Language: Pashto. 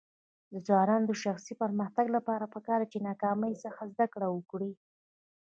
د ځوانانو د شخصي پرمختګ لپاره پکار ده چې ناکامۍ څخه زده کړه وکړي.